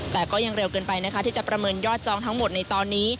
แต่ก็ยังเร็วเกินไปนะคะที่จะประเมินยอดจองทั้งหมดในตอนนี้